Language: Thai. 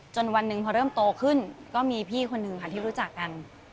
วันหนึ่งพอเริ่มโตขึ้นก็มีพี่คนหนึ่งค่ะที่รู้จักกัน